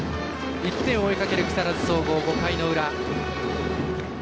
１点を追いかける木更津総合５回の裏。